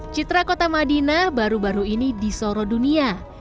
citra kota madinah baru baru ini disoro dunia